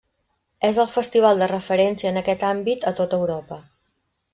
És el festival de referència en aquest àmbit a tota Europa.